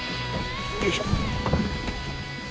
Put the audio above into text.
よいしょ。